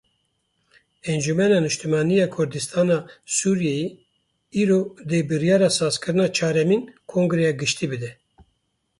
Encumena Niştimanî ya Kurdistana Sûriyeyê îro dê biryara sazkirina çaremîn kongreya giştî bide.